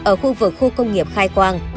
ở khu vực khu công nghiệp khai quang